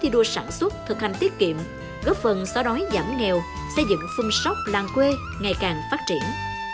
đua sản xuất thực hành tiết kiệm góp phần xóa đói giảm nghèo xây dựng phun sóc làng quê ngày càng phát triển